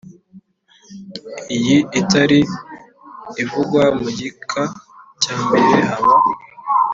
iyi itari ivugwa mu gika cya mbere haba